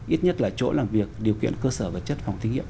ít nhất là chỗ làm việc điều kiện cơ sở vật chất phòng thí nghiệm